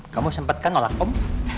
kamu sempet kan nolak om